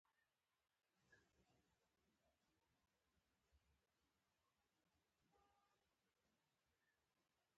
دقطر ترکیې دګازو نل لیکې پروژه: